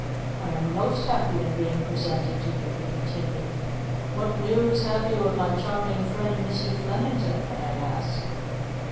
"I am most happy in being presented to you," he continued. "What news have you of my charming friend Mr. Flemington, may I ask?"